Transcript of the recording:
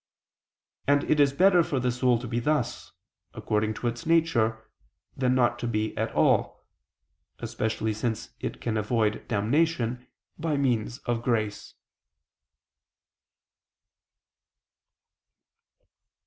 And it is better for the soul to be thus, according to its nature, than not to be at all, especially since it can avoid damnation, by means of grace.